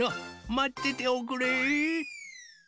まってておくれ！